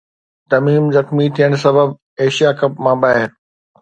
تميم زخمي ٿيڻ سبب ايشيا ڪپ مان ٻاهر